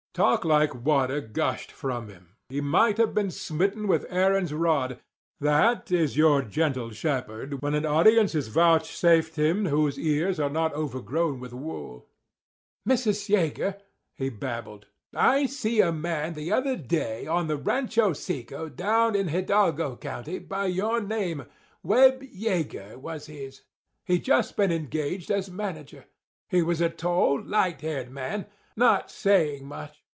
Talk like water gushed from him: he might have been smitten with Aaron's rod—that is your gentle shepherd when an audience is vouchsafed him whose ears are not overgrown with wool. "Missis Yeager," he babbled, "I see a man the other day on the Rancho Seco down in Hidalgo County by your name—Webb Yeager was his. He'd just been engaged as manager. He was a tall, light haired man, not saying much.